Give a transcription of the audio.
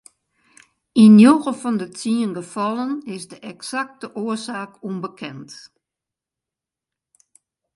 Yn njoggen fan de tsien gefallen is de eksakte oarsaak ûnbekend.